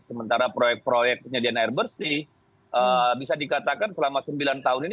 sementara proyek proyek penyediaan air bersih bisa dikatakan selama sembilan tahun ini